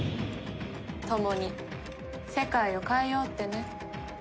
共に世界を変えようってね。